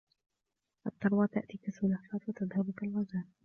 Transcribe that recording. الثروة تأتي كالسلحفاة وتذهب كالغزال